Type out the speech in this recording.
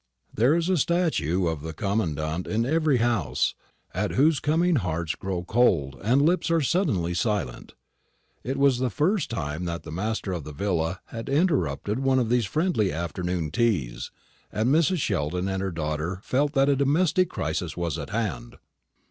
There is a statue of the Commandant in every house, at whose coming hearts grow cold and lips are suddenly silent. It was the first time that the master of the villa had interrupted one of these friendly afternoon teas, and Mrs. Sheldon and her daughter felt that a domestic crisis was at hand.